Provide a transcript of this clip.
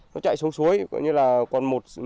nó chạy xuống suối gọi như là còn một